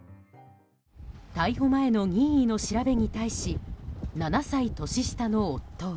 逮捕前の任意の調べに対し７歳年下の夫は。